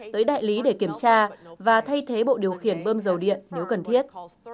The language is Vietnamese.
tới đại lý để kiểm tra và thay thế bộ điều khiển bơm dầu điện nếu cần thiết